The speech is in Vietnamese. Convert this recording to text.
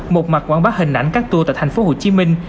một mặt quảng bá hình ảnh các tour tại thành phố hồ chí minh